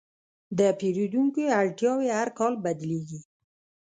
د پیرودونکو اړتیاوې هر کال بدلېږي.